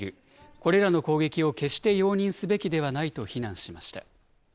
これらの攻撃を決して容認すべきではないと非難しました。